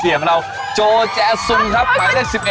เหรอคะเขาชอบคนนี้มากกว่าเขาชอบตี